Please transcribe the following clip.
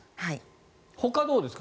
ほかどうですか？